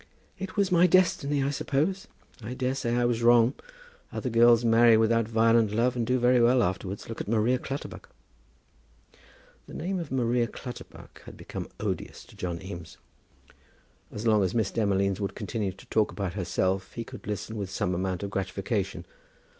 "It was my destiny, I suppose; I daresay I was wrong. Other girls marry without violent love, and do very well afterwards. Look at Maria Clutterbuck." The name of Maria Clutterbuck had become odious to John Eames. As long as Miss Demolines would continue to talk about herself he could listen with some amount of gratification.